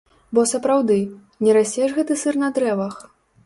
Бо сапраўды, не расце ж гэты сыр на дрэвах?